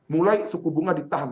mulai suku bunga ditahan